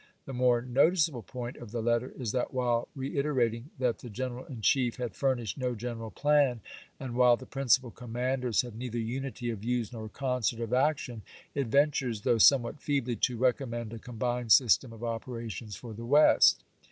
The more noticeable point of the letter is that while reiterating that the Greneral in Chief had furnished no general plan, and while the principal commanders had neither unity of views nor concert of action, it ventures, though somewhat feebly, to recommend a combined system of operations for the West.